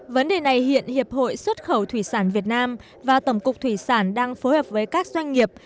vấn đề này hiện hiệp hội xuất khẩu thủy sản việt nam và tổng cục thủy sản đang phối hợp với các doanh nghiệp